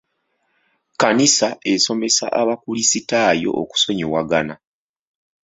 Kkanisa esomesa abakrisitaayo okusonyiwagana.